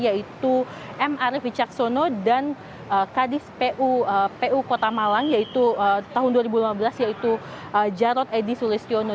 yaitu m arief wicaksono dan kadis pu kota malang yaitu tahun dua ribu lima belas yaitu jarod edi sulistiono